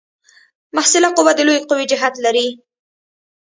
محصله قوه د لویې قوې جهت لري.